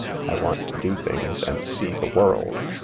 I want to do things and see the world."